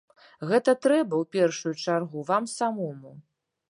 Гэта трэба, у першую чаргу, вам самому.